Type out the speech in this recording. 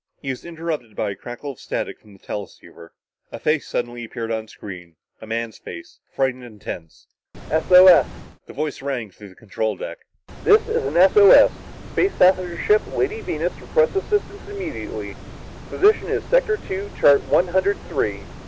He was interrupted by a crackle of static from the teleceiver. A face suddenly appeared on the screen a man's face, frightened and tense. "S O S." The voice rang out through the control deck. "This is an S O S. Space passenger ship Lady Venus requests assistance immediately. Position is sector two, chart one hundred three.